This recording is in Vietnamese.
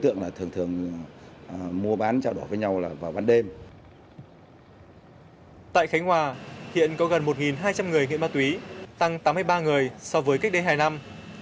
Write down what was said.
tại khánh hòa hiện có gần một hai trăm linh người nghiện ma túy tăng tám mươi ba người so với cách đây hai năm